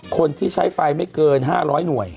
คนที่ใช้ไฟไม่เกิน๕๐๐หน่วย